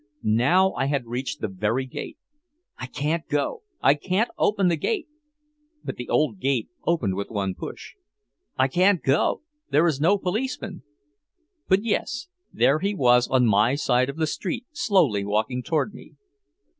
Now I had reached the very gate. "I can't go! I can't open the gate!" But the old gate opened with one push. "I can't go! There is no policeman!" But yes, there he was on my side of the street slowly walking toward me.